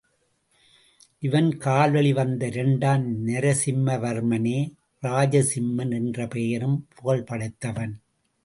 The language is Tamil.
இவன் கால்வழி வந்த இரண்டாம் நரசிம்மவர்மனே, ராஜசிம்மன் என்ற பெரும் புகழ் படைத்தவன்.